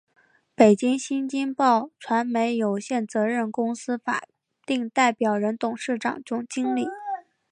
北京新京报传媒有限责任公司法定代表人、董事长、总经理